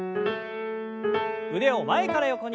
腕を前から横に。